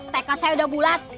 tk saya udah bulat